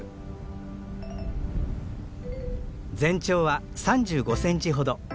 全長は３５センチほど。